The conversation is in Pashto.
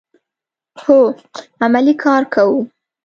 هو، عملی کار کوو